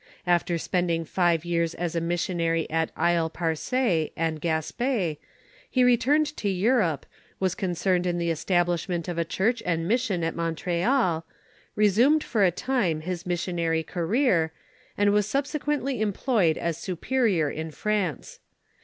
After spending five years as missionary at Isle Perc^e and Gosp^, he returned to Europe, was concerned in the establishment of a church and mission at Montreal, resumed for a time his missionary career, and was subsequently em ployed as superior in France.